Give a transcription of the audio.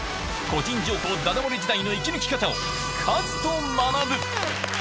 個人情報だだ漏れ時代の生き抜き方を、カズと学ぶ。